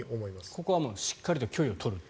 ここはしっかりと距離を取ると。